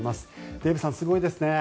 デーブさん、すごいですね。